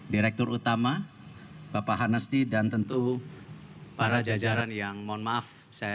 direktur utama bapak hanasti dan tentu para jajaran yang mohon maaf saya tidak bisa sabut satu persatu